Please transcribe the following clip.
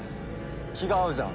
気が合うじゃん。